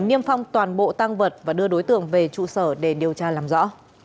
niêm phong toàn bộ tăng vật và đưa đối tượng về trụ sở để điều tra làm rõ